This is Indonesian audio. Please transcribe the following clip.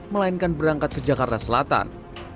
melainkan berangkat ke jakarta selatan